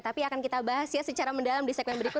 tapi akan kita bahas ya secara mendalam di segmen berikut